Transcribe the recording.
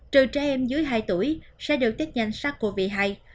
trừ trẻ em dưới hai tuổi sẽ được tết nhanh sát covid hai